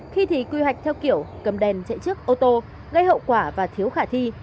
khi thì quy hoạch theo kiểu cầm đèn chạy trước ô tô gây hậu quả và thiếu khả thi